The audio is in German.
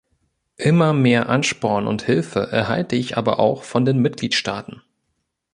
Immer mehr Ansporn und Hilfe erhalte ich aber auch von den Mitgliedstaaten.